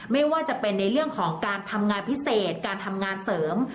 ไม่ว่าจะเป็นในเรื่องของการทำงานพิเศษการทำงานเสริม